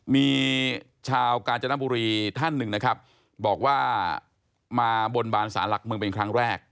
มีชาวกาญจนบุรีท่านหนึ่งนะครับบอกว่ามาบนบานสารหลักเมืองเป็นครั้งแรก